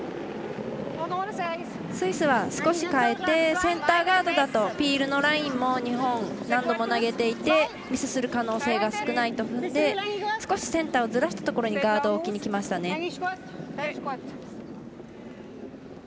スイスは少し変えてセンターガードだとピールのラインも日本、何度も投げていてミスする可能性が少ないと踏んで少しセンターをずらしたところにガードを置きにきましたね。